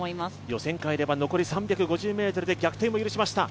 予選会では残り３５０ｍで逆転を許しました。